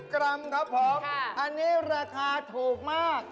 กรัมครับผมอันนี้ราคาถูกมาก